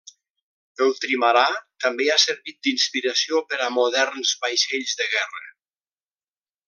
El trimarà també ha servit d'inspiració per a moderns vaixells de guerra.